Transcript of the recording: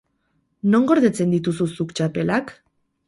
Non gordetzen dituzu zuk txapelak?